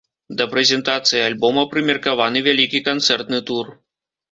Да прэзентацыі альбома прымеркаваны вялікі канцэртны тур.